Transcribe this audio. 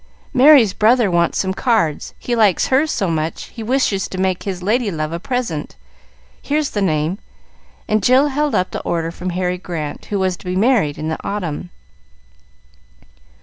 "Merry's brother wants some cards. He liked hers so much he wishes to make his lady love a present. Here's the name;" and Jill held up the order from Harry Grant, who was to be married in the autumn.